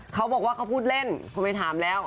เขาบอกว่าเขาพูดเล่นคุณไปถามแล้ว